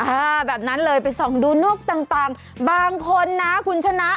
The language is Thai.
แบบนั้นเลยไปส่องดูนวกต่างบางคนนะคุณชนะ